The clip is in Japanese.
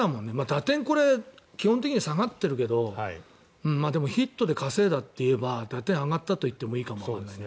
打点は基本的には下がってるけどでもヒットで稼いだといえば打点が上がったと言ってもいいかもわからない。